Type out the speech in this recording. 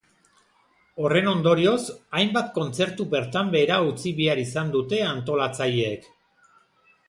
Horren ondorioz, hainbat kontzertu bertan behera utzi behar izan dute antolatzaileek.